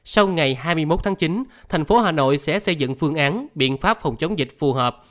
sau ngày hai mươi một tháng chín thành phố hà nội sẽ xây dựng phương án biện pháp phòng chống dịch phù hợp